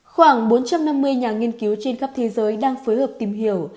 khoảng bốn trăm năm mươi nhà nghiên cứu trên khắp thế giới đang phối hợp tìm hiểu